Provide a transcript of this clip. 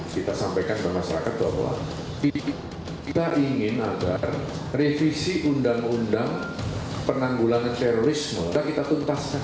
kita sampaikan ke masyarakat bahwa kita ingin agar revisi undang undang penanggulangan terorisme sudah kita tuntaskan